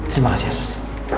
terima kasih asus